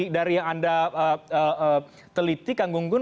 dari yang anda teliti kang gunggun